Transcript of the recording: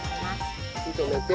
火止めて。